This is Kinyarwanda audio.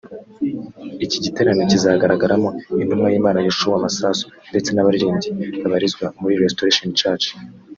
Iki giterane kizagaragaramo Intumwa y’Imana Yoshua Masasu ndetse n’abaririmbyi babarizwa muri Restoration church